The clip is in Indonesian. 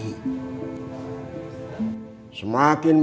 semakin berisi semakin merunduk